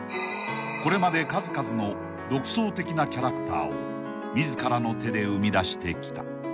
［これまで数々の独創的なキャラクターを自らの手で生み出してきた］